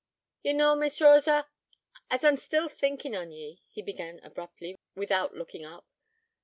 'Ye knaw, Miss Rosa, as I'm still thinkin' on ye,' he began abruptly, without looking up.